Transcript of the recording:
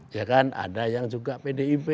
ya kan ada yang juga pdip